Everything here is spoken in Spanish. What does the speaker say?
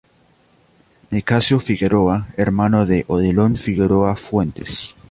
Nicasio Figueroa, hermano de Odilon Figueroa Fuentes.